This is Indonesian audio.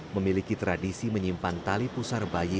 memiliki tradisi menyimpan tali pusar bayi